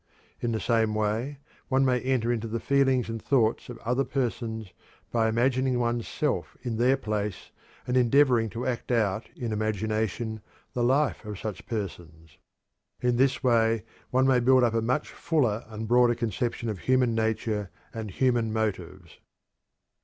In the same way one may enter into the feelings and thoughts of other persons by imagining one's self in their place and endeavoring to act out in imagination the life of such persons. In this way one may build up a much fuller and broader conception of human nature and human motives.